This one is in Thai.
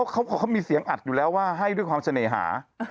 เขามีเสียงอัดอยู่แล้วว่าให้ด้วยความเสน่หา